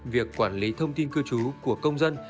việc quản lý thông tin cư trú của công dân